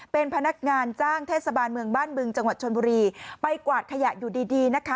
เป็นพนักงานจ้างเทศบาลเมืองบ้านบึงจังหวัดชนบุรีไปกวาดขยะอยู่ดีดีนะคะ